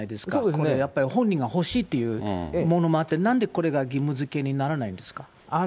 これ、やっぱり本人が欲しいというものがあって、なんでこれが義務づけにならないんですか？